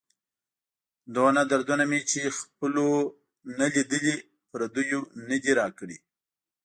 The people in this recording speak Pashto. دومره دردونه مې چې خپلو نه لیدلي، پردیو نه دي را کړي.